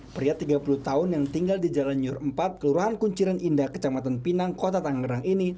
pria tiga puluh tahun yang tinggal di jalan nyur empat kelurahan kunciran indah kecamatan pinang kota tangerang ini